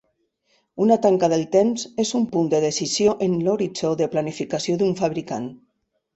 Una tanca del temps és un punt de decisió en l'horitzó de planificació d'un fabricant.